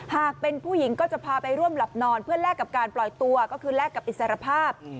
หากเป็นผู้หญิงก็จะพาไปร่วมหลับนอนเพื่อแลกกับการปล่อยตัวก็คือแลกกับอิสรภาพ